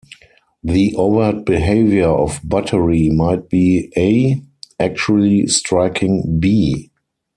The overt behavior of battery might be A actually striking B.